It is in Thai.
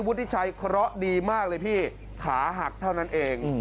วุฒิชัยเคราะดีมากขาหักเท่านั้นเอง